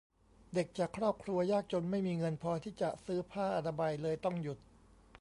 เด็กจากครอบครัวยากจนไม่มีเงินพอที่จะซื้อผ้าอนามัย เลยต้องหยุด